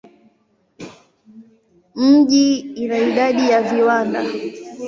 Mji ina idadi ya viwanda.